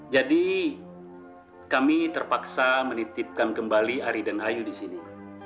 jadi kami terpaksa menitipkan kembali ari dan ayu di sini